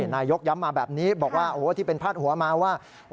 นายกย้ำมาแบบนี้บอกว่าที่เป็นพาดหัวมาว่า